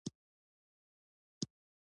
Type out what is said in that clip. نارینه د کور سر او تنه بلل کېږي.